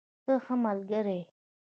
ته ښه ملګری یې.